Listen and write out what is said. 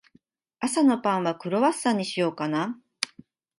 朝のパンは、クロワッサンにしようかな。